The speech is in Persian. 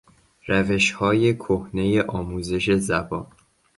روشهای کهنهی آموزش زبان